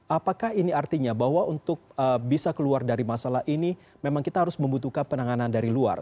apakah ini artinya bahwa untuk bisa keluar dari masalah ini memang kita harus membutuhkan penanganan dari luar